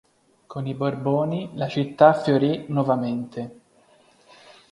Con i Borboni la città fiorì nuovamente.